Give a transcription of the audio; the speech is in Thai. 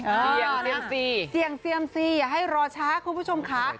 เสี่ยงเซียมซีเสี่ยงเซียมซีอย่าให้รอช้าคุณผู้ชมค่ะ